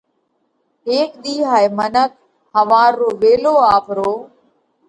هيڪ ۮِي هائي منک ۿوار رو ويلو آپرو